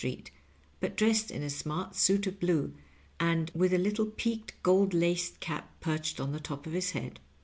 Sta eet, but dressed in a smart suit of bine, and with a lit tle peaked gold laced cap perched on the top of his head.